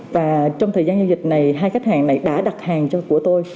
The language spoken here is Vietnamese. và trong thời gian giao dịch này hai khách hàng này đã đặt hàng của tôi